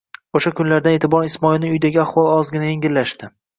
O'sha kundan e'tiboran Ismoilning uydagi ahvoli ozgina yengillashdi.